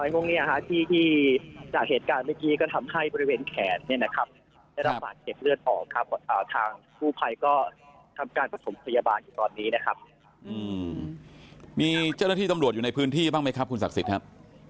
มีเจ้าหน้าที่ตำรวจอยู่ในพื้นที่บ้างไหมครับคุณศักดิ์สิทธิ์ครับ